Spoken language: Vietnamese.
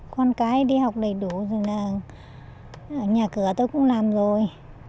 con cái đi học đầy đủ rồi là nhà cửa tôi cũng làm rồi